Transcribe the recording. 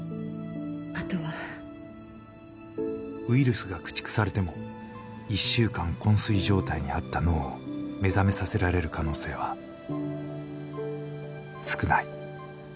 ウイルスが駆逐されても１週間こん睡状態にあった脳を目覚めさせられる可能性は少ない。